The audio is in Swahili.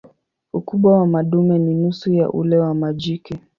Ukubwa wa madume ni nusu ya ule wa majike.